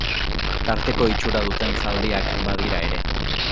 Tarteko itxura duten zaldiak badira ere.